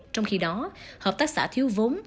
trong khi đó hợp tác xã thiếu vốn